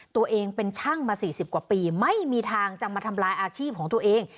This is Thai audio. ตัวเองเป็นช่างมา๔๐กว่าปีไม่มีทางจะมาทำลายอาชีพของตัวเอง